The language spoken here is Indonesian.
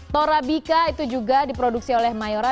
torabica itu juga diproduksi oleh mayora